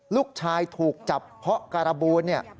ลูกชายถูกจับเพราะการบูลเนี่ย